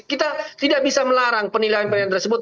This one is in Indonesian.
kita tidak bisa melarang penilaian penilaian tersebut